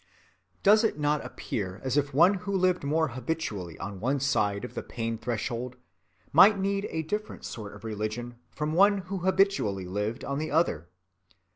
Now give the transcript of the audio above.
Does it not appear as if one who lived more habitually on one side of the pain‐threshold might need a different sort of religion from one who habitually lived on the other?